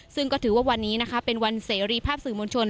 ซึ่งก็ถือว่าวันนี้นะคะเป็นวันเสรีภาพสื่อมวลชน